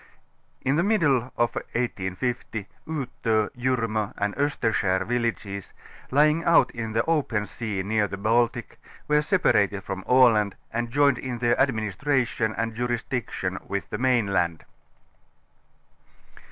Tn the middle of 1850 Uto. .liirnio. and Osterskar villages, lying out in the open sea near the Baltic, were separated from Aland and joined in their administration and jurisdiction witli the mainland.